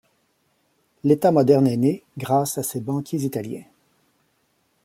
L'état moderne est né, grâce à ses banquiers italiens.